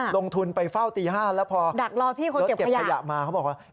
ลงทุนไปเฝ้าตี๕แล้วพอรถเก็บขยะมาเขาบอกว่า